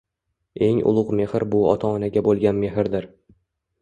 Eng ulug‘ mehr bu ota-onaga bo‘lgan mehrdir